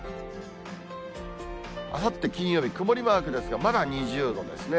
あさって金曜日、曇りマークですが、まだ２０度ですね。